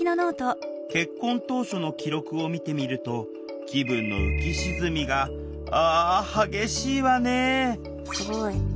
結婚当初の記録を見てみると気分の浮き沈みがあ激しいわねすごい。